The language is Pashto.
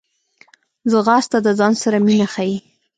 ځغاسته د ځان سره مینه ښيي